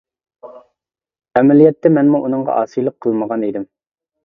ئەمەلىيەتتە، مەنمۇ ئۇنىڭغا ئاسىيلىق قىلمىغان ئىدىم.